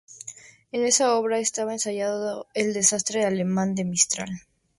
En esas obra estaba un ensayo de "El desastre alemán" de Mistral.